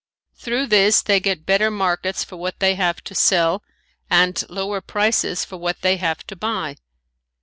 Through this they get better markets for what they have to sell and lower prices for what they have to buy.